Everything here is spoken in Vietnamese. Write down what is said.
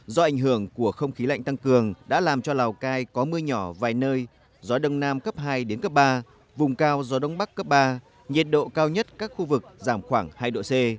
do ảnh hưởng của không khí lạnh tăng cường đã làm cho lào cai có mưa nhỏ vài nơi gió đông nam cấp hai đến cấp ba vùng cao gió đông bắc cấp ba nhiệt độ cao nhất các khu vực giảm khoảng hai độ c